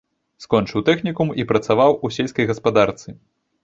Скончыў тэхнікум і працаваў у сельскай гаспадарцы.